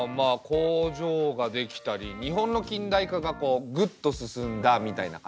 工場が出来たり日本の近代化がこうグッと進んだみたいな感じ？